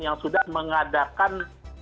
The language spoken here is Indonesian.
yang sudah mengadakan